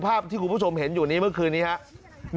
ภาพที่คุณผู้ชมเห็นอยู่นี้เมื่อคืนนี้ครับ